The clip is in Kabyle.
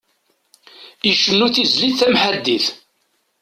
Icennu tizlit tamḥaddit.